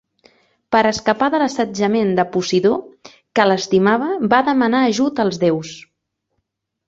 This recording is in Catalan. Per escapar de l'assetjament de Posidó, que l'estimava, va demanar ajut als déus.